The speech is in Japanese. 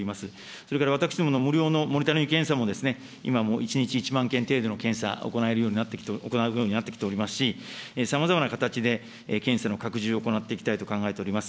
それから私どもの無料のモニタリング検査も今１日１万件程度の検査、行えるようになってきておりますし、さまざまな形で検査の拡充を行っていきたいと考えております。